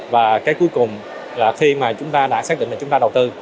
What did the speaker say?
và cái cuối cùng là khi mà chúng ta đã xác định là chúng ta đầu tư